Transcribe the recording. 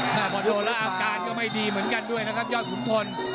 แต่พอโดนแล้วอาการก็ไม่ดีเหมือนกันด้วยนะครับยอดขุนพล